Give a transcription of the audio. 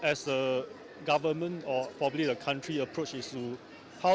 saya pikir sebagai pemerintah atau mungkin juga negara yang memperkenalkan